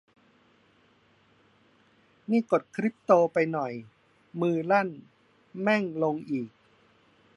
นี่กดคริปโตไปหน่อย มือลั่น แม่งลงอีก